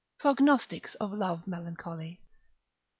Prognostics of Love Melancholy.